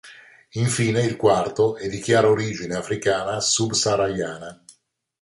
Infine il quarto è di chiara origine africana subsahariana.